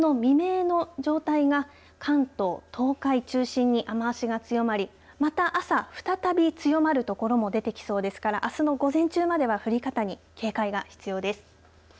あすの未明の状態が関東、東海中心に雨足が強まりまた朝、再び強まる所も出てきそうですからあすの午前中までは降り方に警戒が必要です。